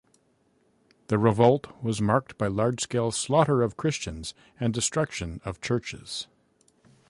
The revolt was marked by large scale slaughter of Christians and destruction of churches.